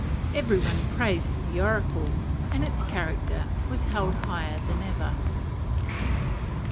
Every one praised the oracle, and its character was held higher than ever.